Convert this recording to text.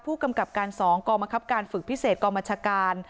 ผู้กำกับการสองกรมกรับการฝึกพิเศษกรมจการ